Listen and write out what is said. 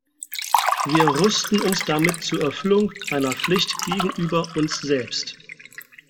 Wir rüsten uns damit zur Erfüllung einer Pflicht gegenüber uns selbst.